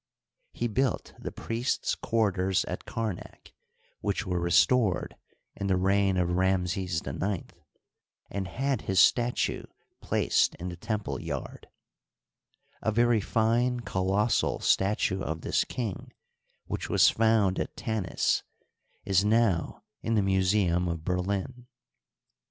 He built the priests* quarters at Kar nak, which were restored in the reign of Ramses IX, and had his statue placed in the temple yard. A very fine colossal statue of this king which was found at Tanis is Digitized byCjOOQlC THE MIDDLE EMPIRE, 53 how in the Museum of Berlin.